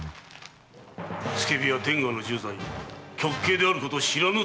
付け火は天下の重罪極刑であることを知らぬとは言わせん。